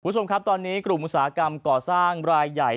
คุณผู้ชมครับตอนนี้กลุ่มอุตสาหกรรมก่อสร้างรายใหญ่